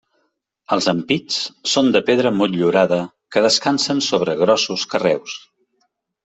Els ampits són de pedra motllurada que descansen sobre grossos carreus.